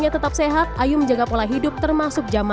pada jam jam tertentu ayu menjaga pola hidup termasuk jam makan